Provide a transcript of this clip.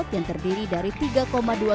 yang terdiri dari tiga dua gw pembangunan